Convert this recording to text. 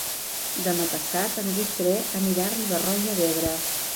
Demà passat en Guifré anirà a Riba-roja d'Ebre.